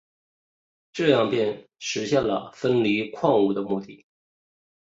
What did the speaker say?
这样便实现了分离矿物的目的。